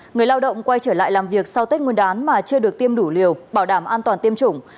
người lao động quay trở lại làm việc sau tết nguyên đán mà chưa được tiêm đủ liều bảo đảm an toàn tiêm chủng